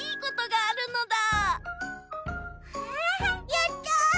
やった！